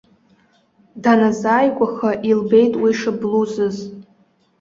Даназааигәаха, илбеит уи шыблузыз.